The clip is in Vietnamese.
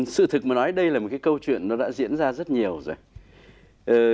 sự thực mà nói đây là một câu chuyện đã diễn ra rất nhiều rồi